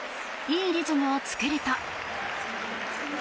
いいリズムを作ると。